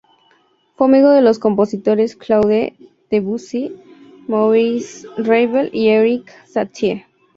Fue amigo de los compositores Claude Debussy, Maurice Ravel y Erik Satie.